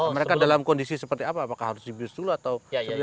mereka dalam kondisi seperti apa apakah harus dibius dulu atau